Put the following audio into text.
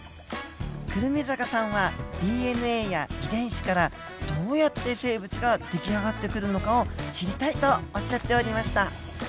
胡桃坂さんはＤＮＡや遺伝子からどうやって生物ができあがってくるのかを知りたいとおっしゃっておりました。